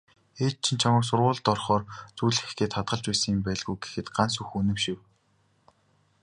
"Ээж чинь чамайг сургуульд орохоор зүүлгэх гээд хадгалсан юм байлгүй" гэхэд Гансүх үнэмшив.